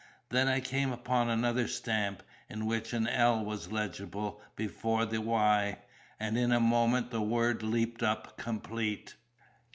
Then I came upon another stamp, in which an L was legible before the Y, and in a moment the word leaped up complete.